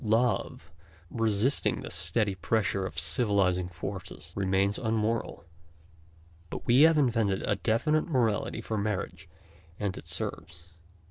Love, resisting the steady pressure of civilizing forces, remains un moral, but we have invented a definite morality for marriage, and it serves.